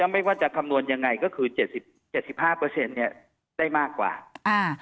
ไม่ว่าจะคำนวณยังไงก็คือ๗๕ได้มากกว่า